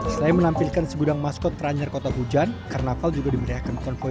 saya menampilkan segudang maskot terancar kota hujan karnaval juga diberi akan konvoi